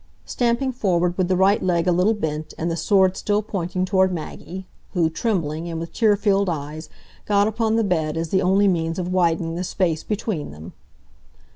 stamping forward with the right leg a little bent, and the sword still pointing toward Maggie, who, trembling, and with tear filled eyes, got upon the bed, as the only means of widening the space between them.